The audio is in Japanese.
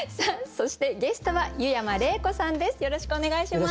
そしてゲストは湯山玲子さんです。